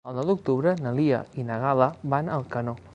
El nou d'octubre na Lia i na Gal·la van a Alcanó.